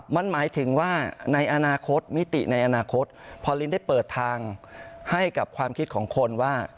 มันหมายถึงว่าในอนาคตมิติในอนาคตพอลินได้เปิดทางให้กับความคิดของคนว่า